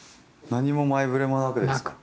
何も前触れもなくですか？